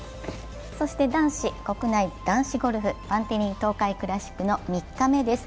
男子、国内男子ゴルフ、バンテリン東海クラシック３日目です。